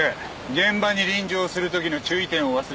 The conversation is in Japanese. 現場に臨場するときの注意点を忘れるな。